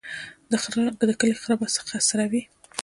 د کلي خره به څروي.